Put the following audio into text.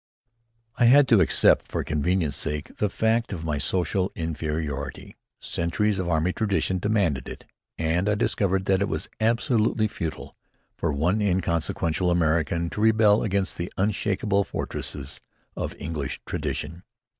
I had to accept, for convenience sake, the fact of my social inferiority. Centuries of army tradition demanded it; and I discovered that it is absolutely futile for one inconsequential American to rebel against the unshakable fortress of English tradition.